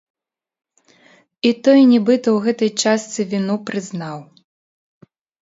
І той нібыта ў гэтай частцы віну прызнаў.